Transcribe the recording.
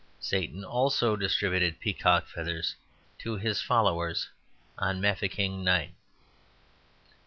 Satan also distributed peacock feathers to his followers on Mafeking Night...